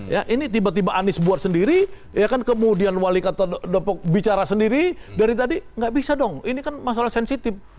ya ini tiba tiba anies buat sendiri ya kan kemudian wali kota depok bicara sendiri dari tadi nggak bisa dong ini kan masalah sensitif